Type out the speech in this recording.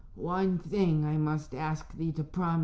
One thing I must ask thee to promise me."